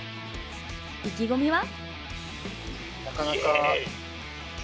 意気込みは？